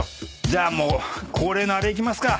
じゃあもう恒例のあれいきますか。